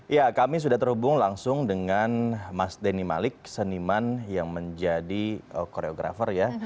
ya kami sudah terhubung langsung dengan mas denny malik seniman yang menjadi koreografer ya